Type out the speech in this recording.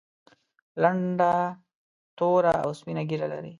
لنډه توره او سپینه ږیره لري.